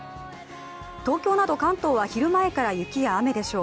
東京など関東は昼前から雪や雨でしょう。